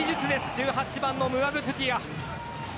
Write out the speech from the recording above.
１８番のムアグトゥティア。